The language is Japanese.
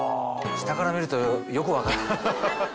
下から見るとよく分かる。